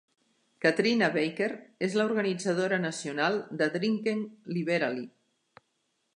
Katrina Baker és la organitzadora nacional de Drinking Liberally.